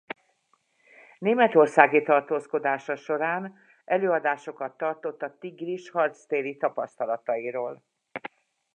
Németországi tartózkodása során előadásokat tartott a Tigris harctéri tapasztalatairól.